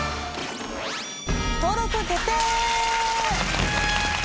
登録決定！